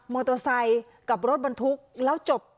มอเตอร์ไซด์กับรถบรรทุกครับแล้วจบ